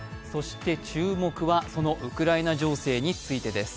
注目はそのウクライナ情勢についてです。